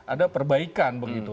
ada perbaikan begitu